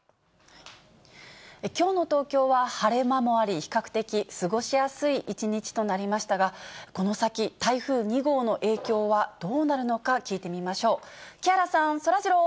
きょうの東京は晴れ間もあり、比較的、過ごしやすい一日となりましたが、この先、台風２号の影響はどうなるのか聞いてみましょう。